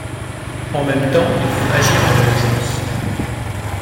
En même temps, il faut agir dans l’urgence.